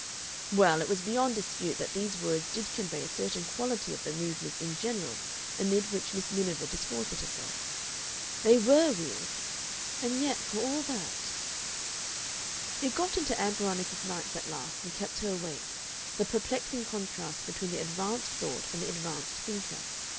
Well, it was beyond dispute that these words did convey a certain quality of the Movements in general amid which Miss Miniver disported herself. They WERE weird. And yet for all that It got into Ann Veronica's nights at last and kept her awake, the perplexing contrast between the advanced thought and the advanced thinker.